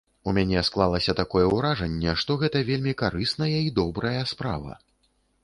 У мяне склалася такое ўражанне, што гэта вельмі карысная і добрая справа.